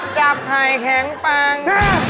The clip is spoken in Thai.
จับไข่แข็งปัง